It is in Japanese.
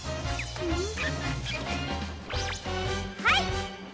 はい！